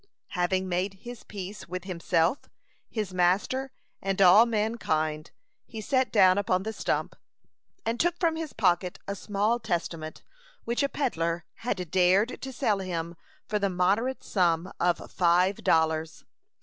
Having made his peace with himself, his master, and all mankind, he sat down upon the stump, and took from his pocket a small Testament, which a pedler had dared to sell him for the moderate sum of five dollars.